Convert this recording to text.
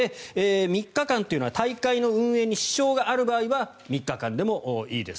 ３日間というのは大会の運営に支障がある場合は３日間でもいいです